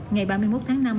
ngày ba mươi một tháng năm